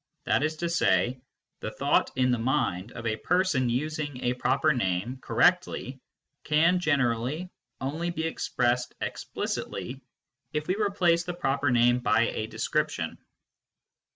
Jfhat is to say, the thought in the mind of a person using a proper name correctly can generally only be expressed explicitly if we replace the proper name by a description.